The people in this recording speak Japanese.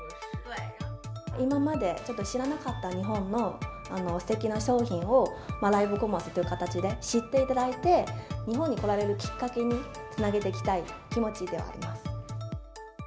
今まで、ちょっと知らなかった日本のすてきな商品をライブコマースという形で知っていただいて、日本に来られるきっかけにつなげていきたい気持ちではあります。